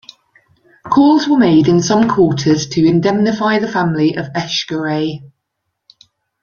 Calls were made in some quarters to indemnify the family of Echegaray.